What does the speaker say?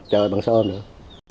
chở bằng xe ôm nữa